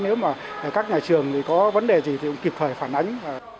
nếu mà các nhà trường thì có vấn đề gì thì cũng kịp thời phản ánh